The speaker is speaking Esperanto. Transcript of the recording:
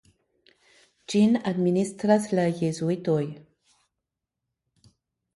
Ĝin administras la jezuitoj.